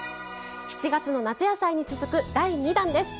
７月の「夏野菜」に続く第２弾です。